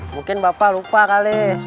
mungkin bapak lupa kali